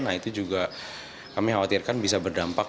nah itu juga kami khawatirkan bisa berdampak